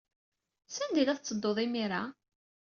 Sanda ay la tetteddud imir-a?